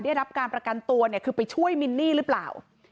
ได้รับการประกันตัวเนี่ยคือไปช่วยมินนี่หรือเปล่า